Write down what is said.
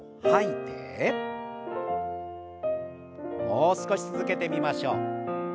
もう少し続けてみましょう。